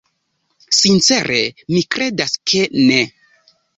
Sincere, mi kredas, ke ne.